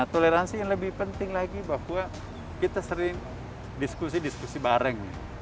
toleransi yang lebih penting lagi bahwa kita sering diskusi diskusi bareng